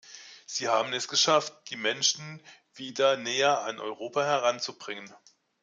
Sie haben es geschafft, die Menschen wieder näher an Europa heranzubringen.